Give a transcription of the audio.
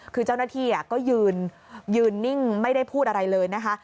คือเจ้าหน้าที่ก็ยืนนิ่งไม่ได้พูดอะไรเลยนะคะ